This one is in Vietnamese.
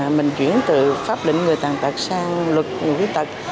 từ khi mình chuyển từ pháp định người tàn tật sang luật khuyết tật